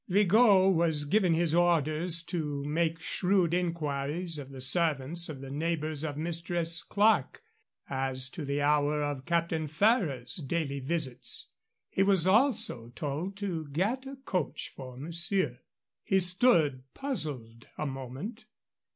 Vigot was given his orders to make shrewd inquiries of the servants of the neighbors of Mistress Clerke as to the hour of Captain Ferrers's daily visits. He was also told to get a coach for monsieur. He stood puzzled a moment.